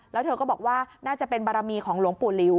แล้วเธอก็บอกว่าน่าจะเป็นบารมีของหลวงปู่หลิว